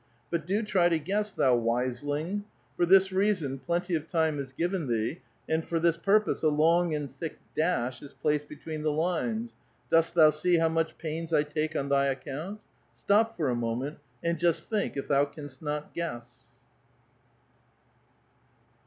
But do try to guess, thou wise ling ! For this reason plenty of time is given thee, and for this purpose a long and thick dash is placed between the lines. Dost thou see how much pains I take on th}' account? Stop for a moment, and just think if thou canst not guess